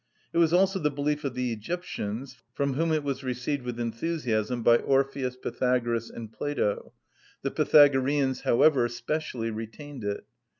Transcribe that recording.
It was also the belief of the Egyptians (Herod., ii. 123), from whom it was received with enthusiasm by Orpheus. Pythagoras, and Plato: the Pythagoreans, however, specially retained it.